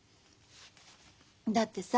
だってさ